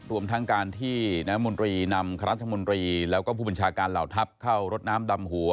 รวมทั้งการที่น้ำมนตรีนำคณะรัฐมนตรีแล้วก็ผู้บัญชาการเหล่าทัพเข้ารดน้ำดำหัว